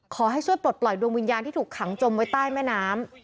ขอให้ช่วยปลดปล่อยดวงวิญญาณที่ถูกขังจมไว้ใต้แม่น้ำ